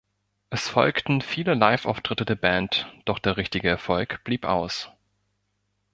Es folgten viele Liveauftritte der Band, doch der richtige Erfolg blieb aus.